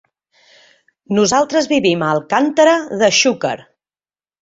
Nosaltres vivim a Alcàntera de Xúquer.